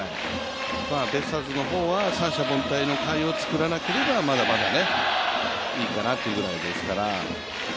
ベイスターズの方は三者凡退の回を作らなければまだまだいいかなというぐらいですから。